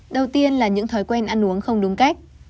đầu tiên là những thói quen ăn uống không đúng cách